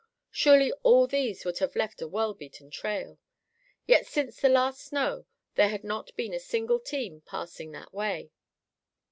Surely all these would have left a well beaten trail. Yet since the last snow there had not been a single team passing that way.